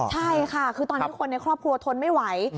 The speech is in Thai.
ใช่ค่ะคือตอนนี้คนในครอบครัวทนไม่ไหว